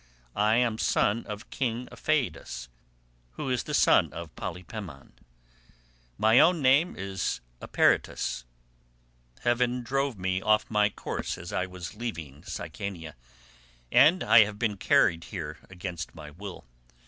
I am son of king Apheidas, who is the son of Polypemon. My own name is Eperitus; heaven drove me off my course as I was leaving Sicania, and I have been carried here against my will.